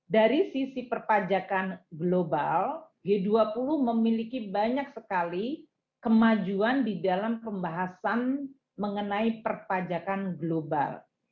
dari sisi perpajakan global g dua puluh memiliki banyak sekali kemajuan di dalam pembahasan mengenai perpajakan global